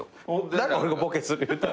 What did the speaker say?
何か俺がボケする言うて。